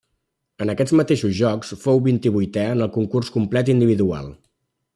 En aquests mateixos Jocs fou vint-i-vuitè en el concurs complet individual.